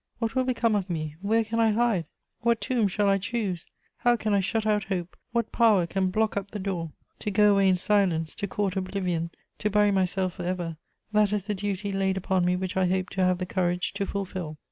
What will become of me? Where can I hide? What tomb shall I choose? How can I shut out hope? What power can block up the door? "To go away in silence, to court oblivion, to bury myself for ever, that is the duty laid upon me which I hope to have the courage to fulfill.